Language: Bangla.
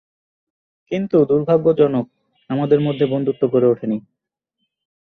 কিন্তু দুর্ভাগ্যজনক আমাদের মধ্যে বন্ধুত্ব গড়ে উঠেনি।